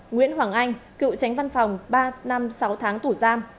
nguyễn hoàng anh cựu tránh văn phòng ba năm sáu tháng tù giam